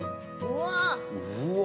うわ！